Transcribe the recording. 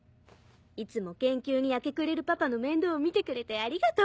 いつも研究に明け暮れるパパの面倒を見てくれてありがとう。